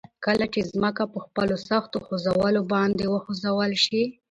کله چې ځمکه په خپلو سختو خوځولو باندي وخوځول شي